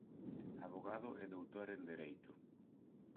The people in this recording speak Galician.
Avogado e doutor en Dereito.